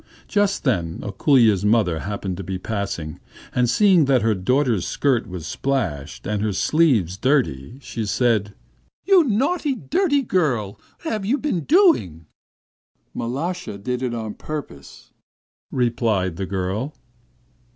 Just then Ako√∫lya's mother happened to be passing, and seeing that her daughter's skirt was splashed, and her sleeves dirty, she said: 'You naughty, dirty girl, what have you been doing?' 'Mal√°sha did it on purpose,' replied the girl.